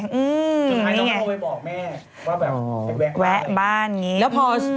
สุดท้ายน้องเขาไปบอกแม่ว่าแวะบ้าน